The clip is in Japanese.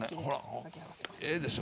ええでしょ